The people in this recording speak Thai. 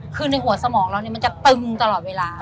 คือในหัวสมองเรามันจะตึงตลอดเวลา